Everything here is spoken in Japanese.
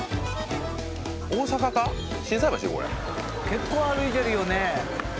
結構歩いてるよね。